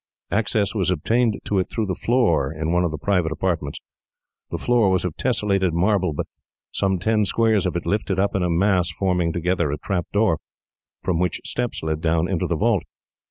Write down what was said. Access was obtained to it through the floor in one of the private apartments. The floor was of tessellated marble, but some ten squares of it lifted up in a mass, forming together a trapdoor, from which steps led down into the vault.